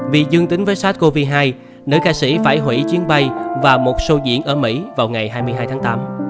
vì dương tính với sars cov hai nữ ca sĩ phải hủy chuyến bay và một show diễn ở mỹ vào ngày hai mươi hai tháng tám